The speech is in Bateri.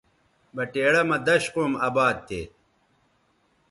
بٹیڑہ مہ دش قوم اباد تھے